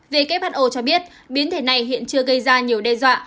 who cho biết biến thể này hiện chưa gây ra nhiều đe dọa